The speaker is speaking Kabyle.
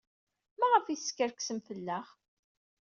Maɣef ay teskerksem fell-aɣ?